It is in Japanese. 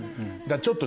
ちょっと。